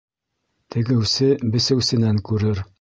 Тегеүсе бесеүсенән күрер.